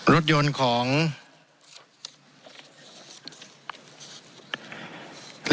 รถยนต์นะครับ